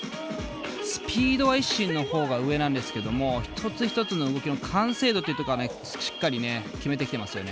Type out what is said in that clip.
スピードはＩＳＳＩＮのほうが上なんですけども一つ一つの動きの完成度ってところはしっかりね決めてきてますよね。